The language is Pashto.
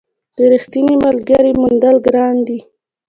د رښتیني ملګري موندل ګران دي.